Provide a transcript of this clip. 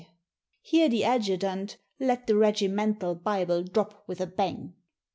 Here the adjutant let the regimental bible drop with a bang.